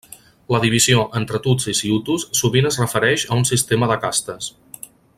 La divisió entre tutsis i hutus sovint es refereix a un sistema de castes.